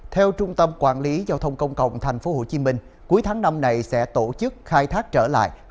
theo trung tâm quản lý giao thông công cộng tp hcm cuối tháng năm này sẽ tổ chức khai thác trở lại